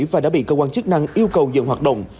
và đã bị cơ quan chức năng yêu cầu dừng hoạt động